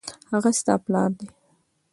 هغه ستا پلار دی